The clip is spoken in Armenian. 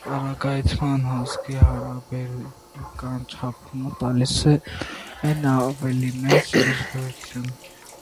Ճառագայթման հոսքի հարաբերական չափումները տալիս են ավելի մեծ ճշգրտություն։